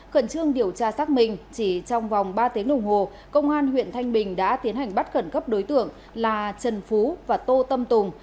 khẩn trương điều tra xác minh chỉ trong vòng ba tiếng đồng hồ công an huyện thanh bình đã tiến hành bắt khẩn cấp đối tượng là trần phú và tô tâm tùng